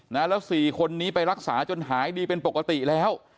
แล้วสี่คนนี้ไปรักษาจนหายดีเป็นปกติแล้ว